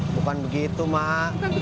bukan begitu mak